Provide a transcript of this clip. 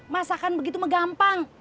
masakan begitu megampang